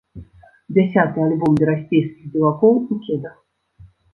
Дзясяты альбом берасцейскіх дзівакоў у кедах.